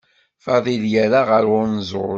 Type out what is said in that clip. Fadil yerra ɣer unẓul.